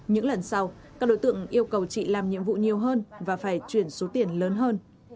những lần sau các đối tượng yêu cầu chị làm nhiệm vụ nhiều hơn và phải chuyển số tiền lớn hơn